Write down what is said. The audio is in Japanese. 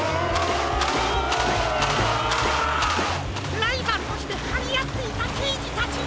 ライバルとしてはりあっていたけいじたちが！